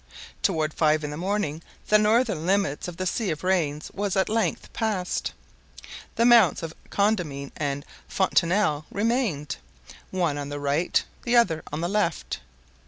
Toward five in the morning the northern limits of the "Sea of Rains" was at length passed. The mounts of Condamine and Fontenelle remained—one on the right, the other on the left.